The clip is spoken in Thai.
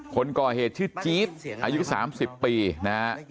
คนก่อเหตุชื่อจี๊ดอายุ๓๐ปีนะฮะ